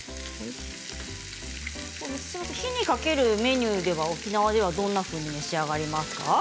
火にかけるメニューは沖縄ではどんなふうに召し上がりますか？